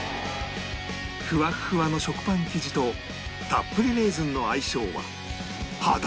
ふわっふわの食パン生地とたっぷりレーズンの相性は果たして？